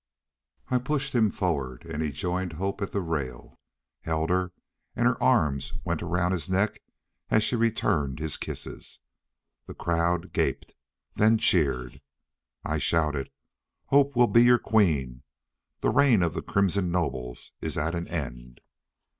I pushed him forward and he joined Hope at the rail. Held her, and her arms went around his neck as she returned his kisses. The crowd gaped, then cheered. I shouted, "Hope will be your queen The reign of the crimson nobles is at an end!"